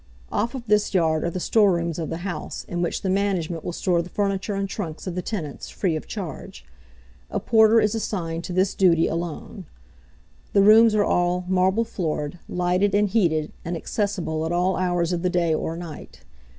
Off of this yard are the storerooms of the house, in which the management will store the furniture and trunks of the tenants free of charge. A porter is assigned to this duty alone. The rooms are all marble floored, lighted and heated, and accessible at all hours of the day or night.